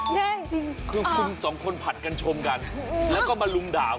แน่แน่จริงคุณสองคนผัดกันชมกันแล้วก็มาลุงด่าผม